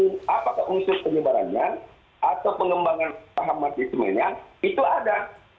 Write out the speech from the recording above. apakah unsur penyebarannya atau pengembangan paham marxismenya itu ada